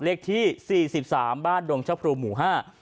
เลขที่๔๓บ้านดงชะพรูหมู่๕